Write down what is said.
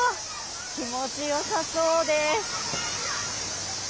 気持ち良さそうです。